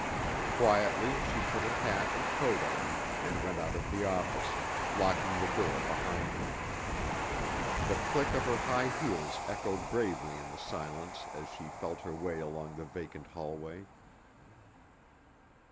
Quietly, she put her hat and coat on, and went out of the office, locking the door behind her. The click of her high heels echoed bravely in the silence as she felt her way along the vacant hallway.